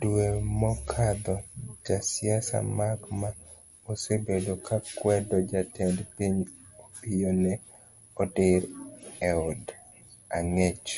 Dwe mokadho, jasiasa Mark ma osebedo kakwedo jatend pinyno Opiyo ne odir eod angech.